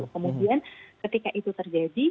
kemudian ketika itu terjadi